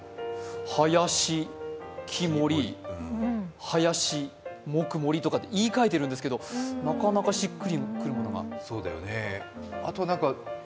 林、木、森、はやし、もく、もりとか言い換えてるんですけどなかなかしっくりくるのがあとは何か。